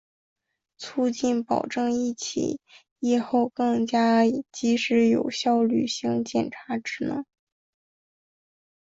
促进、保障疫期、疫后更加及时有效履行检察职能